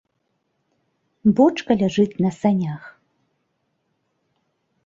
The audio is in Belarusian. Бочка ляжыць на санях.